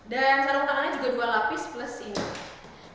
dan sarung tangannya juga dua lapis plus ini